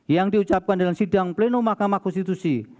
yang diucapkan dalam sidang pleno mahkamah konstitusi